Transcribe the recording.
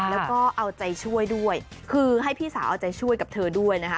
แล้วก็เอาใจช่วยด้วยคือให้พี่สาวเอาใจช่วยกับเธอด้วยนะคะ